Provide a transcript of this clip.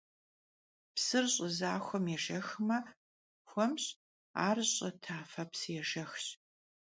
Psır ş'ı zaxuem yêjjexme xuemş, ar ş'ı tafe psıêjjexş.